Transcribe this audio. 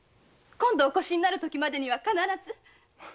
今度お越しになるときまでには必ず。